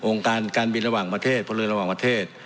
การการบินระหว่างประเทศพลเรือนระหว่างประเทศ